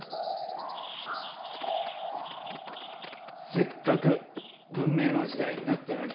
せっかく文明の時代になったのに。